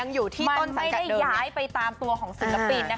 ยังอยู่ที่ต้นสังกัดเดิมเนี่ยมันไม่ได้ย้ายไปตามตัวของศิลปินนะคะ